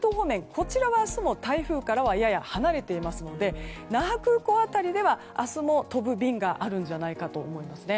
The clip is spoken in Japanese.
こちらは明日も台風からやや離れていますので那覇空港辺りでは明日も飛ぶ便があるんじゃないかと思います。